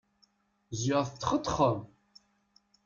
Ziɣ tetxetxeḍ!